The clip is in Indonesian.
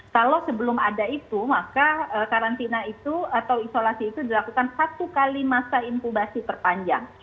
kalau sebelum ada itu maka karantina itu atau isolasi itu dilakukan satu kali masa inkubasi terpanjang